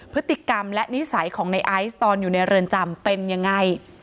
พฤติกรรมและนิสัยของในไอซ์ตอนอยู่ในเรือนจำเป็นยังไง